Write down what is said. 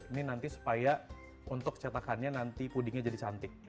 ini nanti supaya untuk cetakannya nanti pudingnya jadi cantik